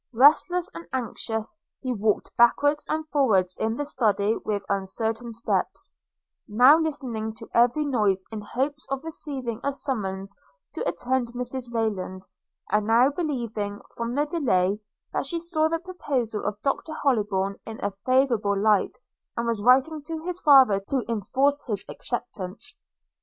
Restless and anxious, he walked backwards and forwards in the Study with uncertain steps, now listening to every noise in hopes of receiving a summons to attend Mrs Rayland; and now believing, from the delay, that she saw the proposal of Dr Hollybourn in a favourable light, and was writing to his father to enforce its acceptance.